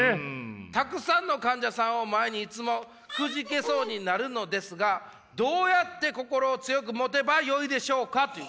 たくさんの患者さんを前にいつもくじけそうになるのですがどうやって心を強く持てばよいでしょうか？」という。